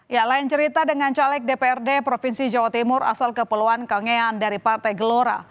ya lain cerita dengan caleg dprd provinsi jawa timur asal kepulauan kangean dari partai gelora